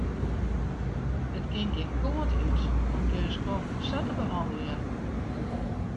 It kin gjin kant út om jins klanten sa te behanneljen.